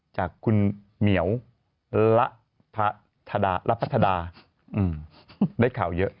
จากคุณเหมียวละพัฒดาได้ข่าวเยอะ